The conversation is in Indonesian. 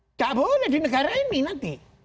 tidak boleh di negara ini nanti